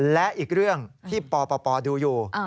และอีกเรื่องที่ปปดูอยู่